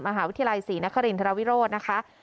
มหาวิทยาลัยศรีนครินทรวิโรธนะคะ